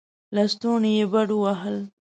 لستوڼې يې بډ ووهل.